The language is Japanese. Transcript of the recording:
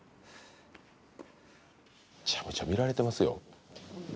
むちゃむちゃ見られてますよ。